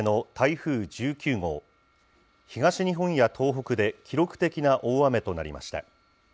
東日本や東北で記録的な大雨となりました。